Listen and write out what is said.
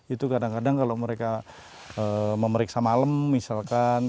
itu kadang kadang kalau mereka memeriksa malam misalkan